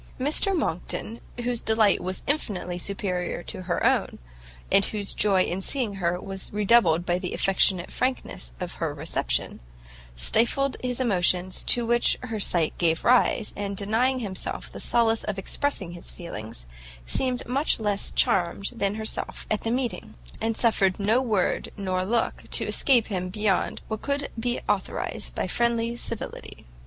Mr Monckton, whose delight was infinitely superior to her own, and whose joy in seeing her was redoubled by the affectionate frankness of her reception, stifled the emotions to which her sight gave rise, and denying himself the solace of expressing his feelings, seemed much less charmed than herself at the meeting, and suffered no word nor look to escape him beyond what could be authorised by friendly civility.